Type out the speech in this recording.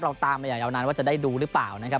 ตามมาอย่างยาวนานว่าจะได้ดูหรือเปล่านะครับ